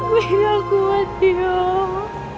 biar kuat yuk